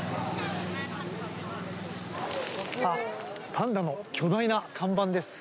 パンダの巨大な看板です。